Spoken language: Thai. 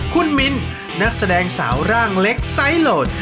คุณมินนักแสดงสาวร่างเล็กไซส์โหลด